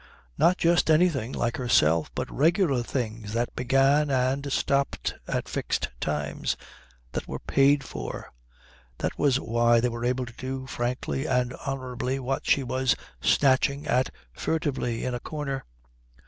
Not just anything, like herself, but regular things that began and stopped at fixed times, that were paid for. That was why they were able to do frankly and honourably what she was snatching at furtively in a corner.